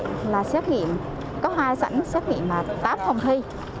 mỗi sảnh còn lại là xét nghiệm có hai sảnh xét nghiệm là tám phòng thi